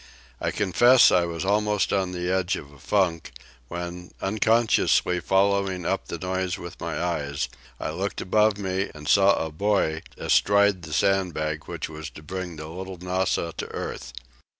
I confess I was almost on the edge of a funk, when, unconsciously following up the noise with my eyes, I looked above me and saw a boy astride the sandbag which was to bring the "Little Nassau" to earth.